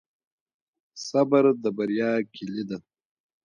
صبر د بریا کیلي ده.